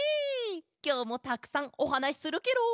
きょうもたくさんおはなしするケロ！